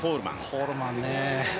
コールマンね